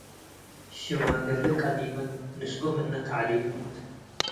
ሽማገሌ ቀዲመት ንስኦ ምነ ተዕሊመት